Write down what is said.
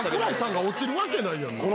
桜井さんが落ちるわけないやん。